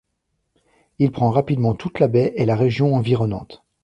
Il prend rapidement toute la baie et la région environnante.